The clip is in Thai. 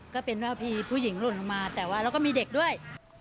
ก็เป็นว่ามีผู้หญิงหล่นลงมาแต่ว่าแล้วก็มีเด็กด้วย